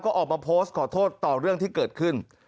ก็ออกมาโพสต์ขอโทษต่อเรื่องที่เกิดขึ้น